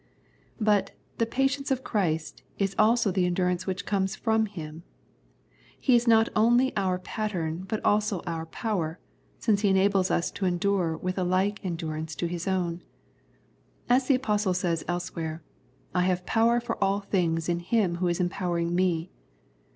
But " the patience of Christ " is also the endurance which comes from Him. He is not only our pattern, but also our power, since He enables us to endure with a like endurance to His own. As the Apostle says elsewhere :" I have power for all things in Him who is empowering me."